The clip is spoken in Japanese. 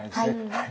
はい。